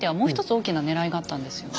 大きなねらいがあったんですよね？